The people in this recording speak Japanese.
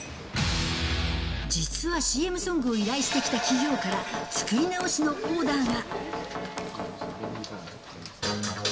実はＣＭソングを依頼してきた企業から作り直しのオーダーが。